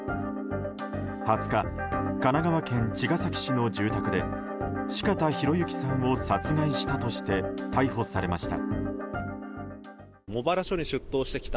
２０日神奈川県茅ヶ崎市の住宅で四方洋行さんを殺害したとして逮捕されました。